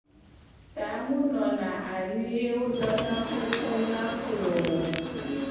Ta mu nona anyi ye wo dona kuku na klo o.